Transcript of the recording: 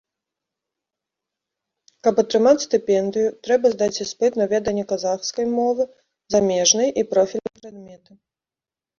Каб атрымаць стыпендыю, трэба здаць іспыт на веданне казахскай мовы, замежнай і профільныя прадметы.